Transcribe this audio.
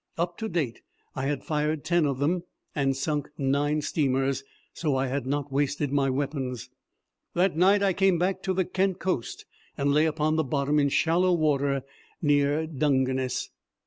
Up to date I had fired ten of them and sunk nine steamers, so I had not wasted my weapons. That night I came back to the Kent coast and lay upon the bottom in shallow water near Dungeness.